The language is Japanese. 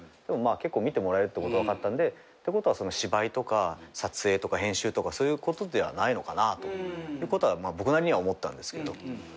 でも結構見てもらえるってこと分かったんでってことは芝居とか撮影とか編集とかそういうことではないのかなということは僕なりには思ったんですけど。